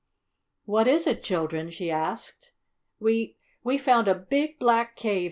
"What is it, children?" she asked. "We we found a big, black cave!"